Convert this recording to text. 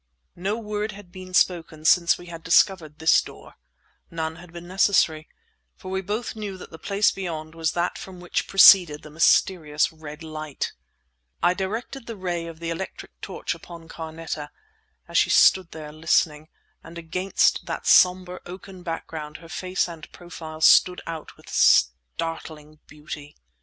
No word had been spoken since we had discovered this door; none had been necessary. For we both knew that the place beyond was that from which proceeded the mysterious red light. I directed the ray of the electric torch upon Carneta, as she stood there listening, and against that sombre oaken background her face and profile stood out with startling beauty.